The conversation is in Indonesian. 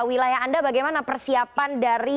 anak yang di stereotypes